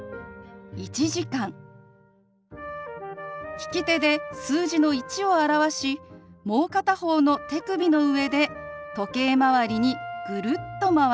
利き手で数字の１を表しもう片方の手首の上で時計まわりにグルッとまわします。